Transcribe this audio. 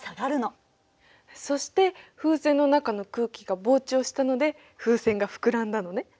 そして風船の中の空気が膨張したので風船が膨らんだのね。